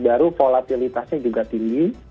baru volatilitasnya juga tinggi